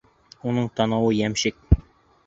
Уның танауы йәмшек.